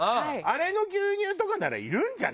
あれの牛乳とかならいるんじゃない？